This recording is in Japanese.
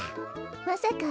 まさか。